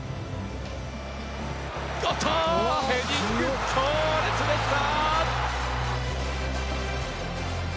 ヘディング、強烈でした！